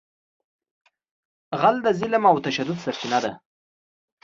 غل د ظلم او تشدد سرچینه ده